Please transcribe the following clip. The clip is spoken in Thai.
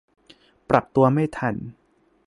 ปรับตัวไม่ทัน